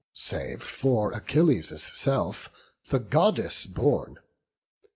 Save for Achilles' self, the Goddess born.